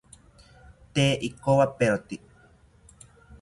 Tee ikowaperotzi